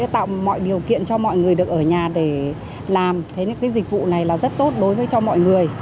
tạo mọi điều kiện cho mọi người được ở nhà để làm thế dịch vụ này là rất tốt đối với cho mọi người